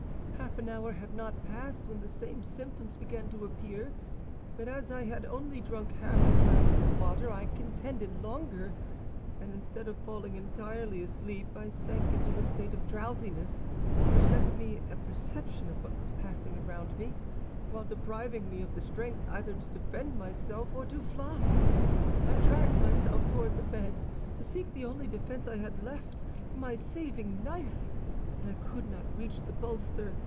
"Half an hour had not passed when the same symptoms began to appear; but as I had only drunk half a glass of the water, I contended longer, and instead of falling entirely asleep, I sank into a state of drowsiness which left me a perception of what was passing around me, while depriving me of the strength either to defend myself or to fly. "I dragged myself toward the bed, to seek the only defense I had left—my saving knife; but I could not reach the bolster.